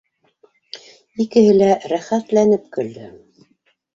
Икеһе лә рәхәтләнеп көлдө